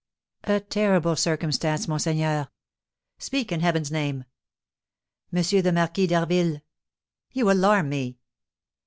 "A terrible circumstance, monseigneur!" "Speak, in heaven's name!" "M. the Marquis d'Harville " "You alarm me!"